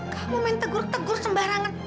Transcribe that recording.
kamu main tegur tegur sembarangan